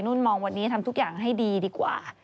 มองวันนี้ทำทุกอย่างให้ดีดีกว่า